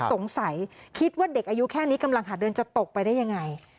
สงสัยคิดว่าเด็กอายุแค่นี้กำลังหาเดินจะตกไปได้ยังไง